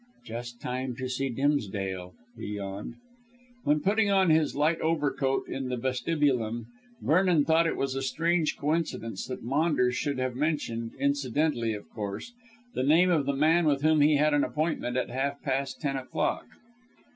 "Just time to see Dimsdale," he yawned. When putting on his light overcoat in the vestibulum, Vernon thought it was a strange coincidence that Maunders should have mentioned incidentally, of course the name of the man with whom he had an appointment at half past ten o'clock.